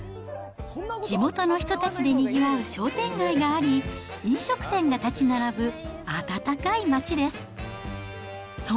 地元の人たちでにぎわう商店街があり、飲食店が建ち並ぶ温かい町です。